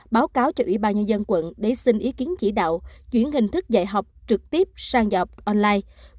báo cáo cho ủy ban nhân dân quận để xin ý kiến chỉ đạo chuyển hình thức dạy học trực tiếp sang học online